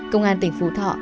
công an tỉnh phú thọ